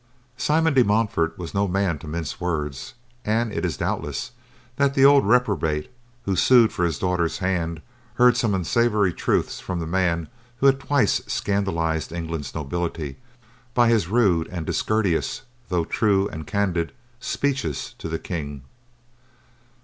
Simon de Montfort was no man to mince words, and it is doubtless that the old reprobate who sued for his daughter's hand heard some unsavory truths from the man who had twice scandalized England's nobility by his rude and discourteous, though true and candid, speeches to the King.